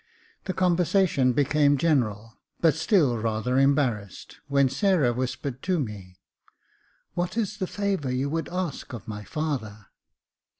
The conversation became general, but still rather embarrassed^ when Sarah whispered to me, — "What is the favour you would ask of my father?"